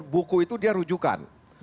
buku itu dia rujukan